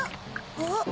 あっ。